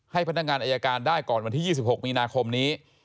พนักงานอายการได้ก่อนวันที่๒๖มีนาคมนี้